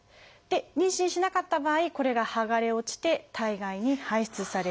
妊娠しなかった場合これがはがれ落ちて体外に排出される。